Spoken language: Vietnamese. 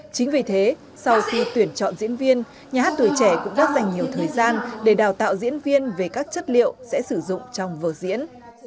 chính vì thế sau khi tuyển chọn diễn viên nhà hát tuổi trẻ cũng đã dành nhiều thời gian để đào tạo diễn viên về các chất liệu sẽ sử dụng trong vở diễn